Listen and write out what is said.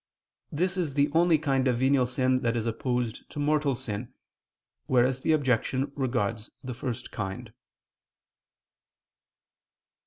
This is the only kind of venial sin that is opposed to mortal sin: whereas the objection regards the first kind.